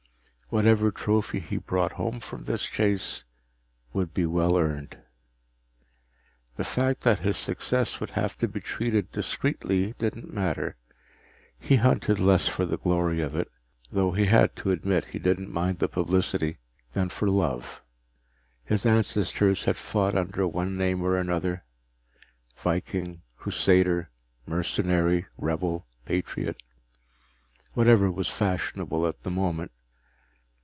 Whatever trophy he brought home from this chase would be well earned. The fact that his success would have to be treated discreetly didn't matter. He hunted less for the glory of it though he had to admit he didn't mind the publicity than for love. His ancestors had fought under one name or another viking, Crusader, mercenary, rebel, patriot, whatever was fashionable at the moment.